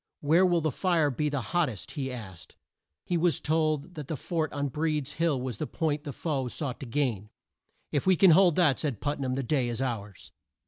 "Where will the fire be the hot test?" he asked. He was told that the fort on Breed's Hill was the point the foe sought to gain. "If we can hold that," said Put nam, "the day is ours."